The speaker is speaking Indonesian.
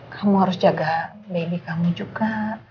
kamu harus jaga baby kamu juga